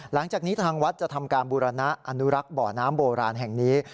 หลังจากนี้ทางวัดจะทำการบูรณะอนุรักษ์บ่อน้ำโบราณแห่งนี้